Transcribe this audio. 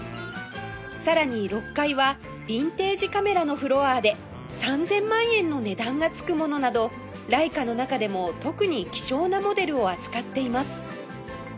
さらに６階はビンテージカメラのフロアで３０００万円の値段がつくものなどライカの中でも特に希少なモデルを扱っています